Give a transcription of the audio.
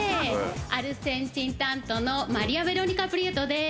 アルゼンチン担当のマリア・ベロニカ・プリエトです。